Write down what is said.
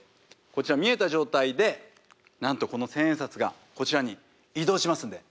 こちら見えた状態でなんとこの千円札がこちらに移動しますんで。